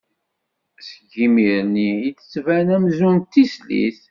Seg yimir-nni i d-tettban amzun d tislit.